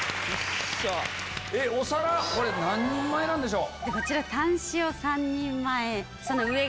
お皿これ何人前なんでしょう？